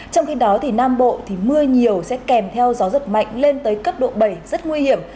trong khi đó nam bộ thì mưa nhiều sẽ kèm theo gió giật mạnh lên tới cấp độ bảy rất nguy hiểm